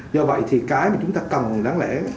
do vậy thì cái mà chúng ta cần đáng lẽ